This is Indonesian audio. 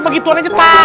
berarti kuntil bial